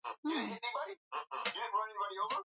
kufunga katika fainali nne tofauti za kombe la dunia